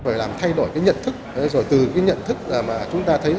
phải làm thay đổi cái nhận thức rồi từ cái nhận thức mà chúng ta thấy